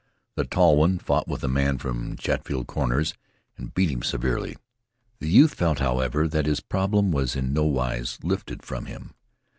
The tall one fought with a man from Chatfield Corners and beat him severely. The youth felt, however, that his problem was in no wise lifted from him.